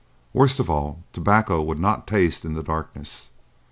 Worst of all, tobacco would not taste in the darkness.